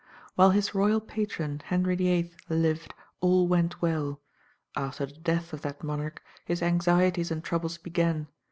While his royal patron, Henry VIII., lived, all went well; after the death of that monarch his anxieties and troubles began.